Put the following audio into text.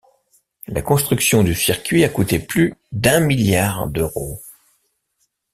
La construction du circuit a coûté plus d'un milliard d'euros.